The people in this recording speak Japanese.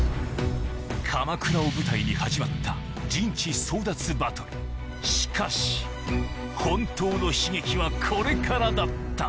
鎌倉を舞台に始まった陣地争奪バトルしかし本当の悲劇はこれからだった